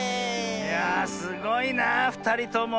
いやあすごいなふたりとも。